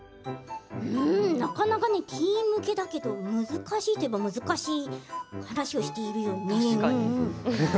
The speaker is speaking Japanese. なかなかティーン向けだけど難しいと言えば難しい話をしているよね。